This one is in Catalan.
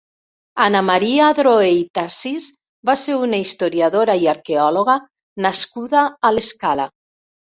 Anna Maria Adroer i Tasis va ser una historiadora i arqueòloga nascuda a l'Escala.